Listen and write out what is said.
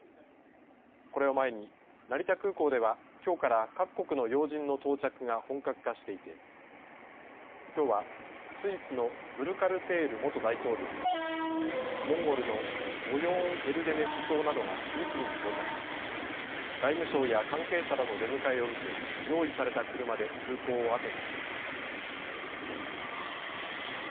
これを前に成田空港ではきょうから各国の要人の到着が本格化していてきょうはスイスのブルカルテール元大統領やモンゴルのオヨーンエルデネ首相などが次々に到着し外務省や関係者らの出迎えを受け用意された車で空港を後にしていました。